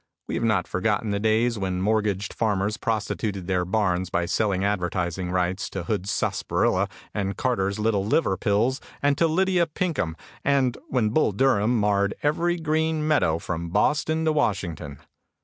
We have not forgotten the days when mortgaged farmers prostituted their barns by selling advertising rights to Hood's Sarsaparilla and Carter's Little Liver Pills and to Lydia Pinkham, and when Bull Durham marred every green meadow from Boston to Washington.